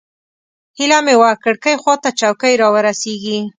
هیله مې وه کړکۍ خوا ته چوکۍ راورسېږي.